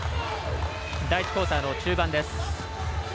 第１クオーターの中盤です。